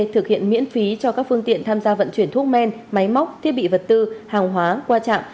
thực hiện miễn phí cho các phương tiện tham gia vận chuyển thuốc men máy móc thiết bị vật tư hàng hóa qua trạm